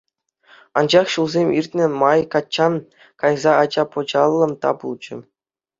Анчах ҫулсем иртнӗ май качча кайса ача-пӑчаллӑ та пулчӗ.